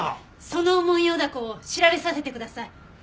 そのモンヨウダコを調べさせてください。